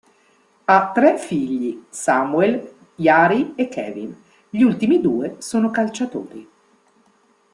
Ha tre figli: Samuel, Jari e Kevin; gli ultimi due sono calciatori.